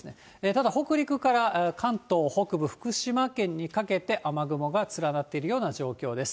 ただ、北陸から関東北部、福島県にかけて、雨雲が連なっているような状況です。